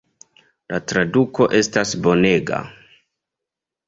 La traduko estas bonega.